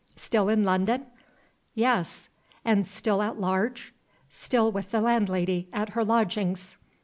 Still in London?" "Yes." "And still at large?" "Still with the landlady, at her lodgings."